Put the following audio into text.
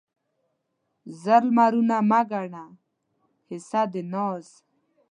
زر لمرونه مه ګڼه حصه د ناز